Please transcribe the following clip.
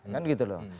kan gitu loh